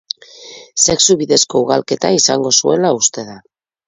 Sexu bidezko ugalketa izango zuela uste da.